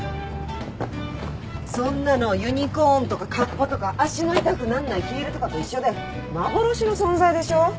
そんなのユニコーンとかカッパとか足の痛くなんないヒールとかと一緒で幻の存在でしょ。